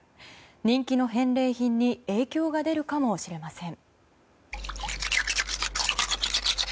人気の返礼品に影響が出るかもしれません。